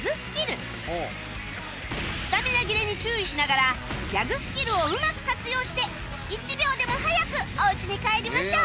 スタミナ切れに注意しながらギャグスキルをうまく活用して１秒でも早くおうちに帰りましょう